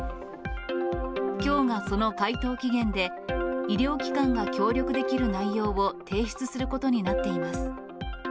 きょうがその回答期限で、医療機関が協力できる内容を提出することになっています。